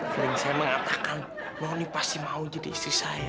feeling saya mengatakan tony pasti mau jadi istri saya